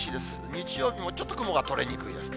日曜日もちょっと雲が取れにくいです。